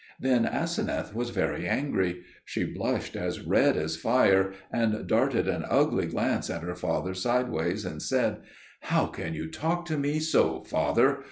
Then Aseneth was very angry; she blushed as red as fire, and darted an ugly glance at her father sideways, and said, "How can you talk to me so, father?